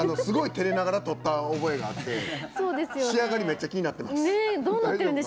てれながら撮った覚えがあって仕上がりめっちゃ気になってます。